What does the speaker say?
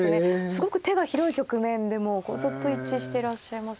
すごく手が広い局面でもずっと一致していらっしゃいます。